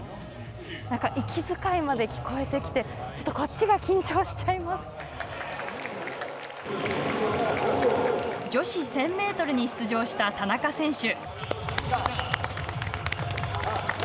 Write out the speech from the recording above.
息遣いまで聞こえてきてちょっと女子１０００メートルに出場した田中選手。